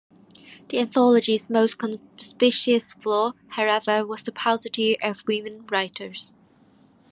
The anthology's most conspicuous flaw, however, was the paucity of women writers.